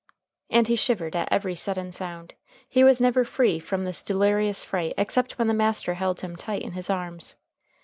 And he shivered at every sudden sound. He was never free from this delirious fright except when the master held him tight in his arms.